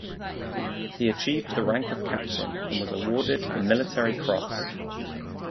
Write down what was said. He achieved the rank of captain and was awarded the Military Cross.